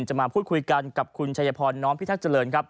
มาพูดคุยกันกับคุณชัยพรน้อมพิทักษ์เจริญครับ